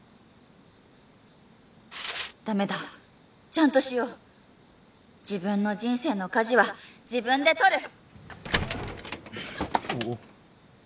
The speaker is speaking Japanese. ダメだちゃんとしよう自分の人生の舵は自分で取る！